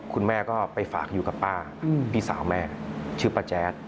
คุณแม่ก็ไปฝากอยู่กับป้าพี่สาวแม่ชื่อป้าแจ๊ด